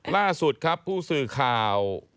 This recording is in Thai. ล่าสุดครับผู้สื่อข่าว